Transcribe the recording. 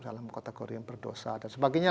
dalam kategori yang berdosa dan sebagainya